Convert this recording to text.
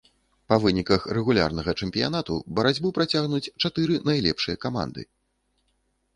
Па выніках рэгулярнага чэмпіянату барацьбу працягнуць чатыры найлепшыя каманды.